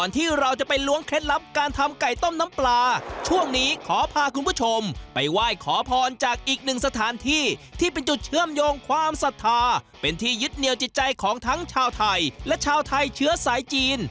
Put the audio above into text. ถ้าช่วงไม่มีก็ต้อนหนักแล้วก็เลิกลากัน